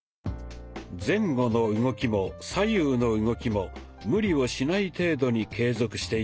前後の動きも左右の動きも無理をしない程度に継続していきましょう。